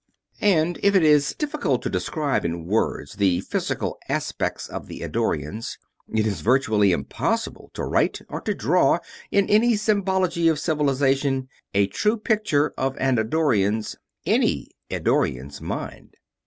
And if it is difficult to describe in words the physical aspects of the Eddorians, it is virtually impossible to write or to draw, in any symbology of Civilization, a true picture of an Eddorian's any Eddorian's mind.